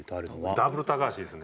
ダブル高橋ですね。